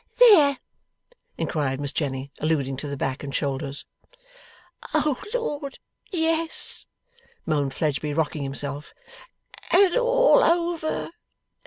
'There?' inquired Miss Jenny, alluding to the back and shoulders. 'Oh Lord, yes!' moaned Fledgeby, rocking himself. 'And all over!